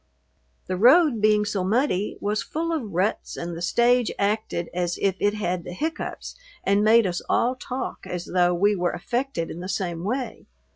The road, being so muddy, was full of ruts and the stage acted as if it had the hiccoughs and made us all talk as though we were affected in the same way.